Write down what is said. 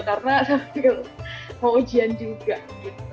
karena mau ujian juga gitu